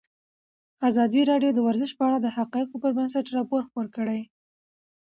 ازادي راډیو د ورزش په اړه د حقایقو پر بنسټ راپور خپور کړی.